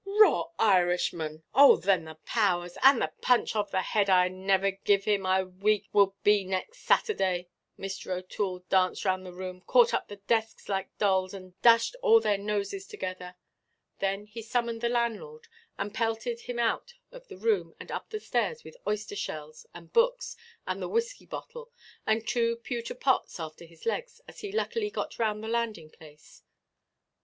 "Raw Irishman! Oh then the powers! And the punch of the head I never giv' him, a week will be next Saturday." Mr. OʼToole danced round the room, caught up the desks like dolls, and dashed all their noses together. Then he summoned the landlord, and pelted him out of the room and up the stairs with oyster–shells, the books, and the whisky–bottle, and two pewter–pots after his legs, as he luckily got round the landing–place.